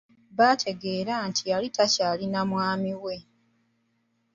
Baategeera nti yali takyali na mwami we.